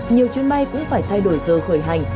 nhiều chuyến bay cũng phải thay đổi giờ khởi hành